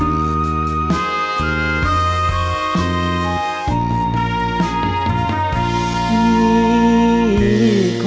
วินีที่๒